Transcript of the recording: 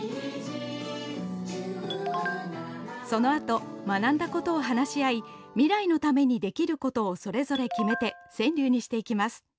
そのあと学んだことを話し合い未来にできることをそれぞれ決めて川柳にしていきます。